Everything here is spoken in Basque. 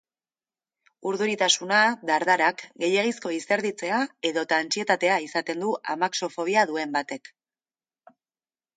Urduritasuna, dardarak, gehiegizko izerditzea edota antsietatea izaten du amaxofobia duen batek.